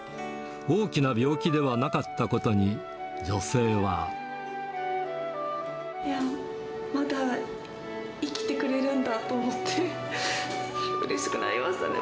大きな病気ではなかったことに、いや、まだ生きてくれるんだと思って、うれしくなりましたね。